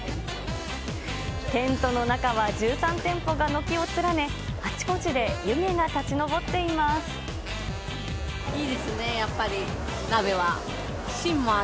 テントの中は１３店舗が軒を連ね、あちこちで湯気が立ち上っていまいいですね、やっぱり鍋は。